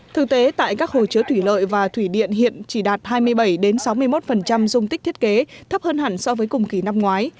thực tế tại các hồ chứa thủy lợi và thủy điện hiện chỉ đạt hai mươi bảy sáu mươi một dung tích thiết kế thấp hơn hẳn so với cùng kỳ năm ngoái